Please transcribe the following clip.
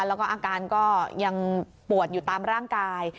แล้วก็อาการก็ยังปวดอยู่ตามร่างกาย